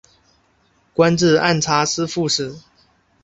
官至按察司副使。